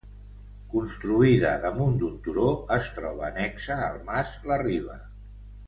Construïda damunt d'un turó, es troba annexa al mas La Riba.